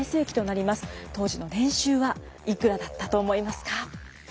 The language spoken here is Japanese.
当時の年収はいくらだったと思いますか？